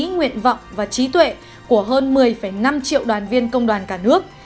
nguyện vọng và trí tuệ của hơn một mươi năm triệu đoàn viên công đoàn cả nước